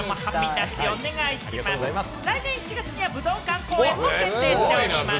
来年１月には武道館公演も決定しています。